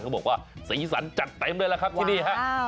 เขาบอกว่าศีสันจัดเต็มเลยนะครับที่นี่